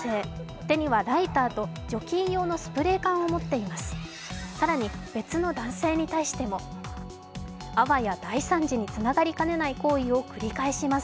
手にはライターと除菌用のスプレー缶を持っています。